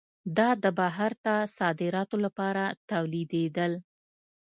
دا د بهر ته صادراتو لپاره تولیدېدل.